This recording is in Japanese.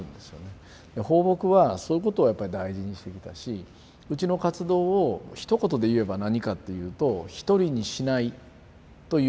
抱樸はそういうことをやっぱり大事にしてきたしうちの活動をひと言で言えば何かっていうと「一人にしない」という支援。